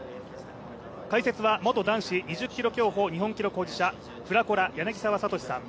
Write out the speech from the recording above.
解説は元男子２０ｋｍ競歩日本記録保持者ｆｒａｃｏｒａ・柳澤哲さん